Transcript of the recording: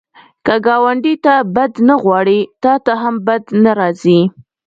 که ګاونډي ته بد نه غواړې، تا ته هم بد نه راځي